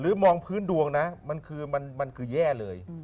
หรือมองพื้นดวงนะมันคือแย่เลย